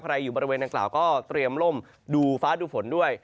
ใครอยู่บริเวณต่างก็เตรียมล่มดูฟ้าดูฝนด้วย